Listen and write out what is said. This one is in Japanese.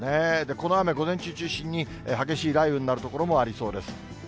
この雨、午前中中心に、激しい雷雨になる所もありそうです。